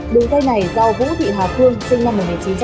đường dây này do vũ thị hà phương sinh năm một nghìn chín trăm bảy mươi tám